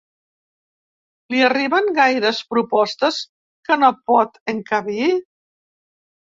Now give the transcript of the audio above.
Li arriben gaires propostes que no pot encabir?